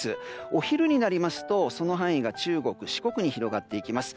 お昼になりますと、その範囲が中国、四国に広がっていきます。